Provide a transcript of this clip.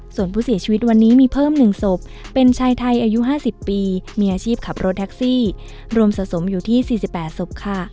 ส่วนผู้เสียชีวิตวันนี้มีเพิ่ม๑ศพเป็นชายไทยอายุ๕๐ปีมีอาชีพขับรถแท็กซี่รวมสะสมอยู่ที่๔๘ศพค่ะ